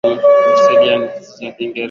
kwa aa mazungumzo ambayo yana yanaendelea